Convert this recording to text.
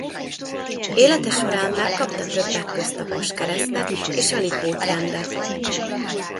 Élete során megkapta többek közt a Vaskeresztet és a Lipót-rendet.